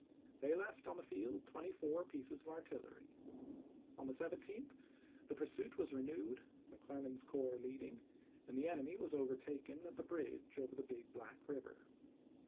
They left on the field twenty four May, 1863. pieces of artillery. On the 17th the pursuit was renewed, McClernand's corps leading, and the enemy was overtaken at the bridge over the Big Black River.